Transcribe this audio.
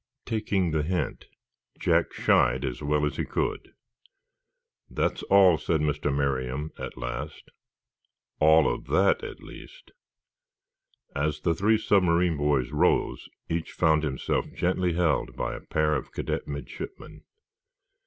Taking the hint, Jack shied as well as he could. "That's all," said Mr. Merriam, at last. "All of that, at least." As the three submarine boys rose, each found himself gently held by a pair of cadet midshipmen.